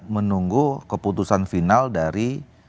menunggu keputusan final dari